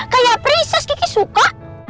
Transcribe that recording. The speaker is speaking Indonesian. kayak prisces kiki suka